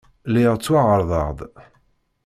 Lliɣ ttwaɛerḍeɣ-d.